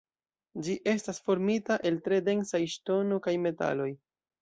Ĝi estas formita el tre densaj ŝtono kaj metaloj.